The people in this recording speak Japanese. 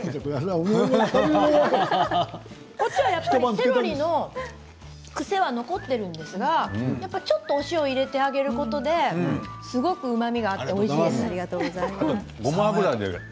セロリの癖が残っているんですけれどちょっと塩、入れてあげることでうまみが出ておいしい。